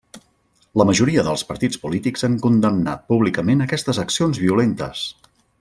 La majoria dels partits polítics han condemnat públicament aquestes accions violentes.